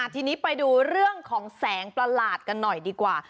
ทีนี้ไปดูเรื่องของแสงประหลาดกันหน่อยดีกว่า